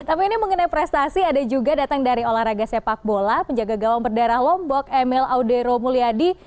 tapi ini mengenai prestasi ada juga datang dari olahraga sepak bola penjaga gawang berdarah lombok emil audero mulyadi